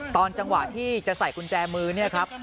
ตอนจังหวะที่จะใส่กุญแจมือเนี่ยครับ